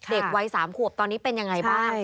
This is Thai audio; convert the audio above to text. เด็กวัย๓ขวบตอนนี้เป็นยังไงบ้าง